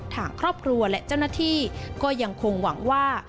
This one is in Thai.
ทางครอบครัวและเจ้าหน้าที่ก็ยังคงหวังว่า